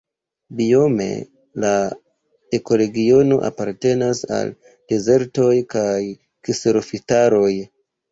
Biome la ekoregiono apartenas al dezertoj kaj kserofitaroj.